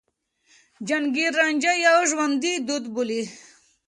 حنکير رانجه يو ژوندي دود بولي.